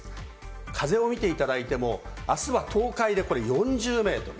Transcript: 風を見ていただいても、あすは東海でこれ４０メートル。